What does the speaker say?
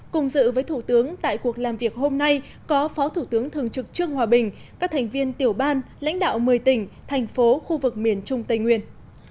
cùng dự với thủ tướng tại cuộc làm việc hôm nay có phó thủ tướng thường trực trương hòa bình các thành viên tiểu ban lãnh đạo một mươi tỉnh thành phố khu vực miền trung tây nguyên